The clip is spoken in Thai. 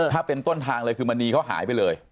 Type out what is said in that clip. ถ้าเป็นต้นทางเลยคือมณีเขาหายไปเลย